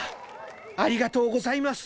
ありがとうございます。